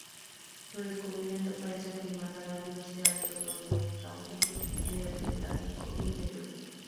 Su descubrimiento parece afirmar la gran diversidad de los dromeosáuridos en el Cretácico inferior.